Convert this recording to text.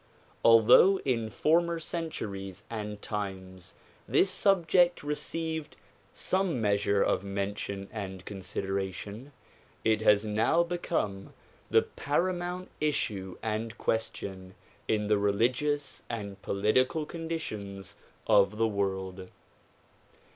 Although in former centuries and times this subject received some measure of mention and consideration, it has now become the paramount issue and question in the religious and political conditions of the world.